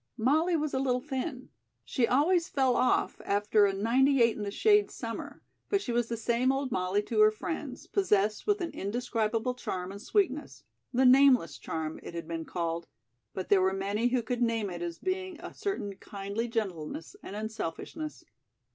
Molly was a little thin. She always "fell off" after a ninety eight in the shade summer; but she was the same old Molly to her friends, possessed with an indescribable charm and sweetness: the "nameless charm," it had been called, but there were many who could name it as being a certain kindly gentleness and unselfishness.